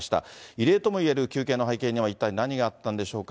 異例ともいえる求刑の背景には一体、何があったんでしょうか。